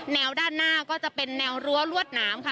ด้านหน้าก็จะเป็นแนวรั้วรวดหนามค่ะ